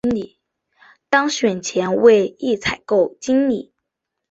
当选前为一采购经理。